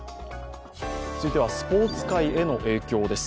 続いてはスポーツ界への影響です。